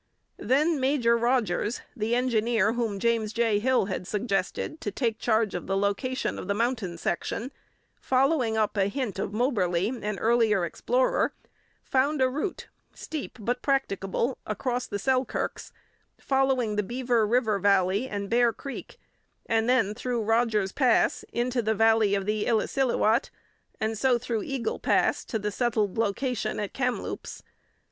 Then Major Rogers, the engineer whom James J. Hill had suggested to take charge of the location of the mountain section, following up a hint of Moberly, an earlier explorer, found a route, steep but practicable, across the Selkirks, following the Beaver river valley and Bear Creek, and then through Rogers Pass into the valley of the Illecillewaet, and so through Eagle Pass to the settled location at Kamloops.